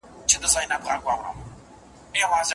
استاد تېره ورځ د شاګرد مقاله وکتله.